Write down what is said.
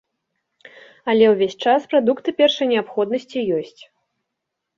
Але ўвесь час прадукты першай неабходнасці ёсць.